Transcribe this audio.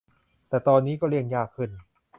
แต่ตอนนี้ก็เลี่ยงยากขึ้น